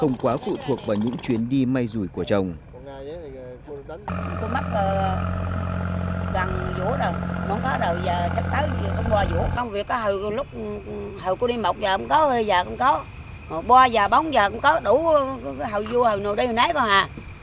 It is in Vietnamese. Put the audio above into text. hồi qua giờ bóng giờ cũng có đủ hồi vui hồi nổi đi rồi nấy con ha